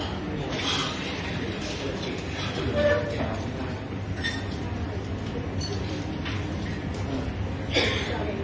วันที่มาที่อ่ะเอ่อวันที่อ่ะ